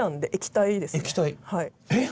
えっ！